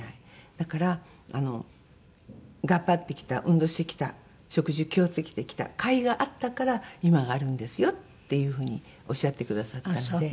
だから頑張ってきた運動してきた食事を気を付けてきたかいがあったから今があるんですよっていう風におっしゃってくださったので。